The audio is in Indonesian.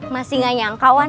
masih ga nyangkauan